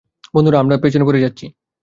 বন্ধুরা, আমরা পেছনে পড়ে যাচ্ছি।